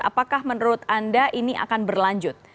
apakah menurut anda ini akan berlanjut